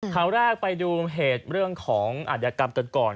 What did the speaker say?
ข่าวแรกไปดูเหตุเรื่องของอัธยกรรมกันก่อน